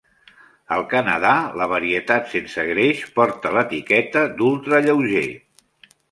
Al Canadà, la varietat sense greix porta l'etiqueta d'ultralleuger.